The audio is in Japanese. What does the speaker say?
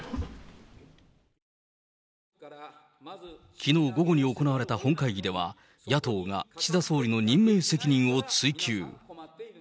きのう午後に行われた本会議では、野党が岸田総理の任命責任を追及。